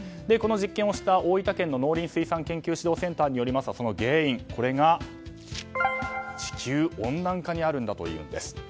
この実験をした、大分県の農林水産研究指導センターによりますと原因が地球温暖化にあるんだということです。